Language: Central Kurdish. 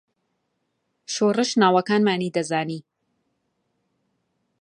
شۆڕش ناوەکانمانی دەزانی.